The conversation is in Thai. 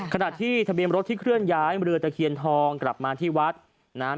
ขณะที่ทะเบียนรถที่เคลื่อนย้ายเรือตะเคียนทองกลับมาที่วัดนะครับ